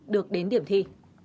được đến điểm thi